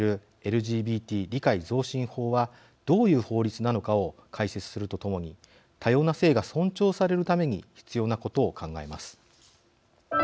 理解増進法はどういう法律なのかを解説するとともに多様な性が尊重されるために必要なことを考えます。